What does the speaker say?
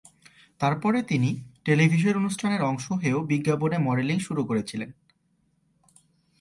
তারপরে তিনি টেলিভিশন অনুষ্ঠানের অংশ হয়েও বিজ্ঞাপনে মডেলিং শুরু করেছিলেন।